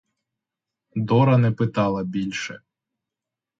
Дора не питала більше.